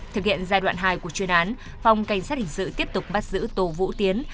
thực hiện giai đoạn hai của chuyên án phòng cảnh sát hình sự tiếp tục bắt giữ tù vũ tiến